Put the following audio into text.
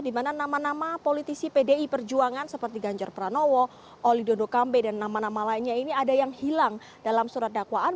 dimana nama nama politisi pdi perjuangan seperti ganjar pranowo oli dodo kambe dan nama nama lainnya ini ada yang hilang dalam surat dakwaan